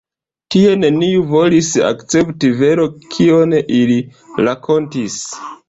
Tie neniu volis akcepti vero, kion ili rakontis.